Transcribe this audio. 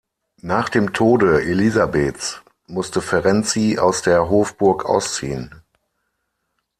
Nach dem Tode Elisabeths musste Ferenczy aus der Hofburg ausziehen.